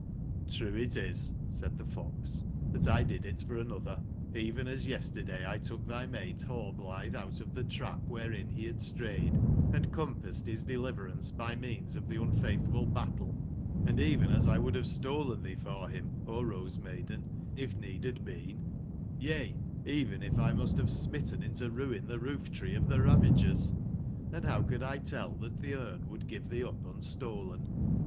"j^''Crue it is," said the fox, ''that 1 did it for another; even as yesterday! took thy mate Rallblithe out of the trap wherein to he had strayed, and compassed his de liverance by means of the unfaithful battle; andeven aslwould have stolen thee forhim, ORose/maiden, if need had been ; yea, even if Imust have smitten in to ruin the roof /tree of theRavagers. Hnd how could! tell that thcSmc would give thee up unstolen